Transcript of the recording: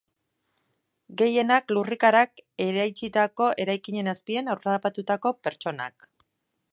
Gehienak, lurrikarak eraitsitako eraikinen azpian harrapatutako pertsonak.